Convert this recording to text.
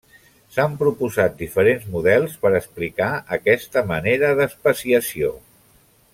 S'han proposat diferents models per explicar aquesta manera d'especiació.